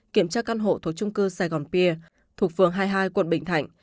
kiểm tra căn hộ thuộc chung cư sài gòn pier thuộc phường hai mươi hai quận bình thạnh